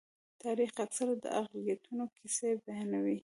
تاریخ اکثره د اقلیتونو کیسې بیانوي.